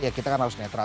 ya kita kan harus netra